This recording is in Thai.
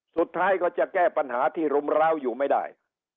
สุดท้ายก็จะแก้ปัญหาที่รุมร้าวอยู่ไม่ได้